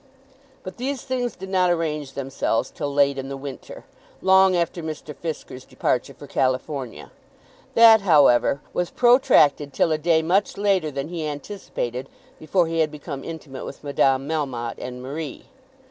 But these things did not arrange themselves till late in the winter, long after Mr. Fisker's departure for California. That, however, was protracted till a day much later than he had anticipated before he had become intimate with Madame Melmotte and Marie.